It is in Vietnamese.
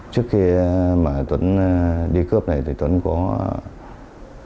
trước khi tuấn đi cướp này tuấn có toàn bộ công cụ để đè vào ba lô